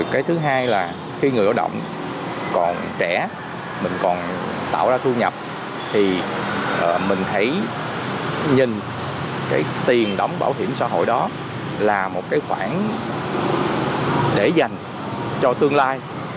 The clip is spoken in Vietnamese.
cái thứ hai là khi người lao động còn trẻ mình còn tạo ra thu nhập thì mình thấy nhìn cái tiền đóng bảo hiểm xã hội đó là một cái khoản để dành cho tương lai